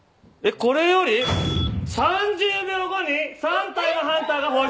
これより３０秒後に３体のハンターを放出。